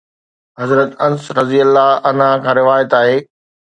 حضرت انس رضي الله عنه کان روايت آهي.